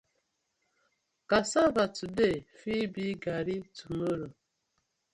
Cassava today fit be Garri tomorrow.